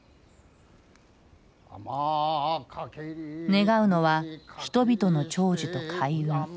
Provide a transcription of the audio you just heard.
願うのは人々の長寿と開運。